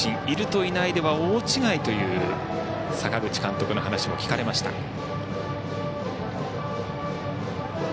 いると、いないとでは大違いという阪口監督の話も聞かれました。